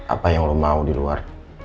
apa yang lo mau di luar